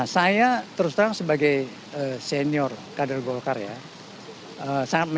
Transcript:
saya tidak paham